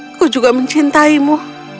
aku juga mencintaimu